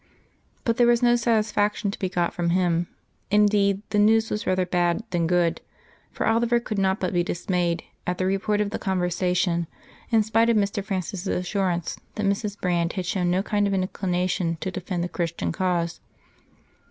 But there was no satisfaction to be got from him indeed, the news was bad rather than good, for Oliver could not but be dismayed at the report of the conversation, in spite of Mr. Francis's assurances that Mrs. Brand had shown no kind of inclination to defend the Christian cause.